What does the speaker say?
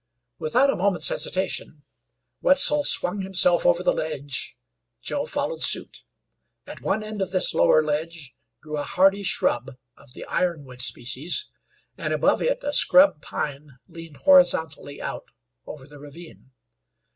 Without a moment's hesitation Wetzel swung himself over the ledge. Joe followed suit. At one end of this lower ledge grew a hardy shrub of the ironwood species, and above it a scrub pine leaned horizontally out over the ravine.